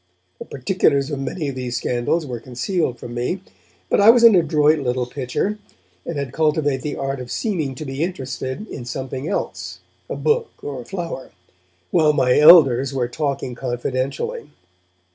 The particulars of many of these scandals were concealed from me, but I was an adroit little pitcher, and had cultivated the art of seeming to be interested in something else, a book or a flower, while my elders were talking confidentially.